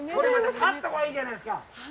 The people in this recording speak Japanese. カットがいいじゃないですか！